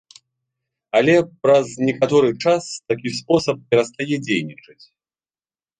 Але праз некаторы час такі спосаб перастае дзейнічаць.